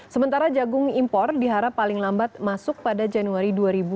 sementara jagung impor diharap paling lambat masuk pada januari dua ribu dua puluh